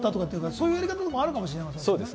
そういうやり方もあるかもしれませんもんね。